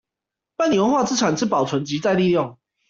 辦理文化資產之保存及再利用